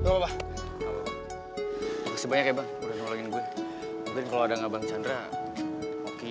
tapi kita sih lebih catat wajah untuk nih